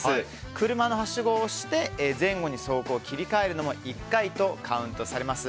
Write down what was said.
車のはしごを押して前後に走行を切り替えるのも１回とカウントされます。